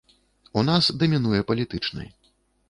У нас дамінуе палітычны.